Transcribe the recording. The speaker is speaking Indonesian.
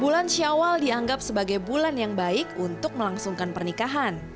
bulan syawal dianggap sebagai bulan yang baik untuk melangsungkan pernikahan